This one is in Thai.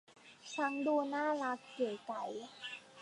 ทั้งดูน่ารักเก๋ไก๋